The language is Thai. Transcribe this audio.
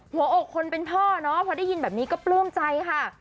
หัวอกคนเป็นพ่อเนาะพอได้ยินแบบนี้ก็ปลื้มใจค่ะ